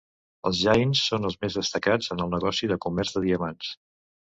Els Jains són els més destacats en el negoci de comerç de diamants.